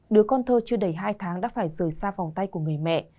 đứa con thơ chưa đầy hai tháng đã phải rời xa vòng tay của người mẹ